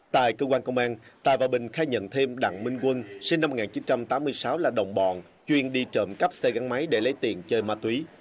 tại cơ quan công an tài và bình khai nhận thêm đặng minh quân sinh năm một nghìn chín trăm tám mươi sáu là đồng bọn chuyên đi trộm cắp xe gắn máy để lấy tiền chơi ma túy